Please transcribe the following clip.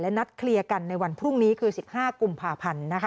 และนัดเคลียร์กันในวันพรุ่งนี้คือ๑๕กพ